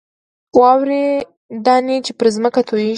واورې دانې چې پر ځمکه تویېږي.